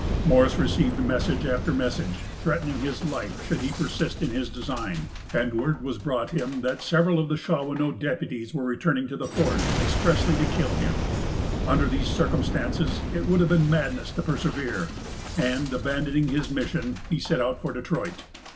Morris received message after message, threatening his life, should he persist in his design; and word was brought him that several of the Shawanoe deputies were returning to the fort, expressly to kill him. Under these circumstances, it would have been madness to persevere; and, abandoning his mission, he set out for Detroit.